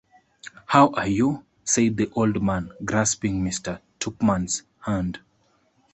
‘How are you?’ said the old man, grasping Mr. Tupman’s hand.